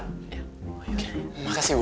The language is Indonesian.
terima kasih bu